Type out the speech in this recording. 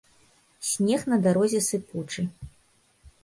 Снег на дарозе сыпучы.